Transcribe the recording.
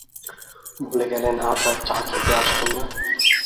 বলে গেলেন, আজ আর চা খেতে আসবেন না।